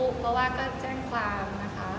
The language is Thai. เพราะว่าก็แจ้งความนะคะ